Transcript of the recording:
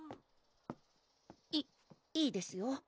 いいいですよ